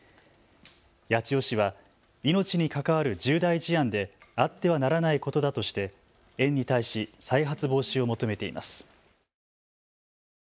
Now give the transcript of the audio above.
八千代市は命に関わる重大事案であってはならないことだとして園に対し再発防止を求めています。